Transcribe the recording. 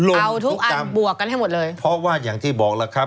เอาทุกอันบวกกันให้หมดเลยเพราะว่าอย่างที่บอกแล้วครับ